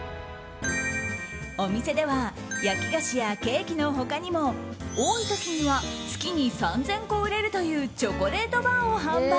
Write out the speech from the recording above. お店では焼き菓子やケーキの他にも多い時には月に３０００個売れるというチョコレートバーを販売。